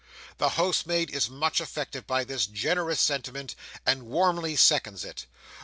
The housemaid is much affected by this generous sentiment, and warmly seconds it.